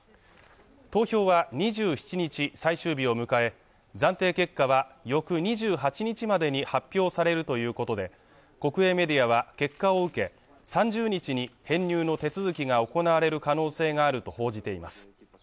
投票は２７日最終日を迎え暫定結果は翌２８日までに発表されるということで国営メディアは結果を受け３０日に編入の手続きが行われる可能性があると報じています